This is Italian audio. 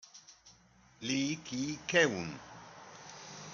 Lee Ki-keun